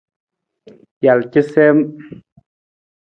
Jal casiim.